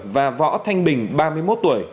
và võ thanh bình ba mươi một tuổi